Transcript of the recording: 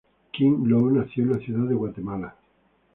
Kim Lou nació en la ciudad de Guatemala.